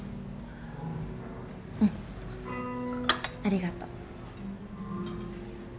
うん。ありがと。